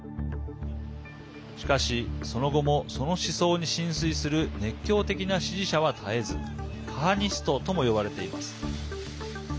しかし、その後もその思想に心酔する熱狂的な支持者は絶えずカハニストとも呼ばれています。